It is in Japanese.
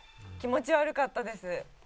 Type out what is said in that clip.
気持ち悪かったです